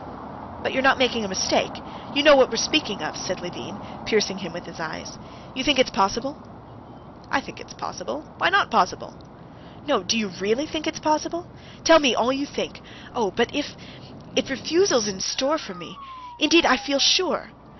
"But you're not making a mistake? You know what we're speaking of?" said Levin, piercing him with his eyes. "You think it's possible?" "I think it's possible. Why not possible?" "No! do you really think it's possible? No, tell me all you think! Oh, but if ... if refusal's in store for me!... Indeed I feel sure...."